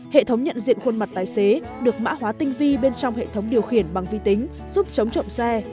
hệ thống nhận diện khuôn mặt tài xế được mã hóa tinh vi bên trong hệ thống điều khiển bằng vi tính giúp chống trộm xe